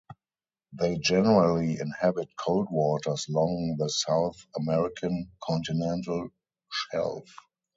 They generally inhabit cold waters long the South American continental shelf.